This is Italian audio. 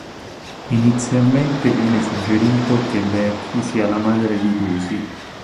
Inizialmente viene suggerito che Becky sia la madre di Lucy.